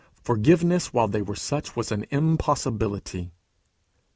Forgiveness while they were such was an impossibility.